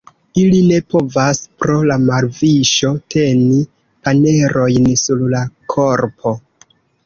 Ili ne povas pro la marviŝo teni panerojn sur la korpo.